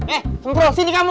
eh sentro sini kamu